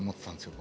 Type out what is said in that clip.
僕。